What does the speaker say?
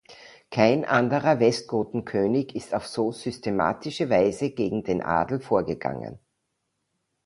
Kein anderer Westgotenkönig ist auf so systematische Weise gegen den Adel vorgegangen.